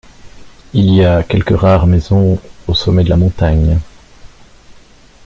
Il y a quelques rares maisons au sommet de la montagne.